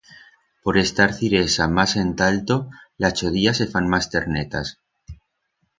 Por estar Ciresa mas enta alto, las chodías se fan mas ternetas.